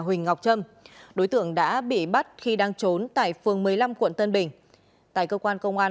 huỳnh ngọc trâm đối tượng đã bị bắt khi đang trốn tại phường một mươi năm quận tân bình tại cơ quan công an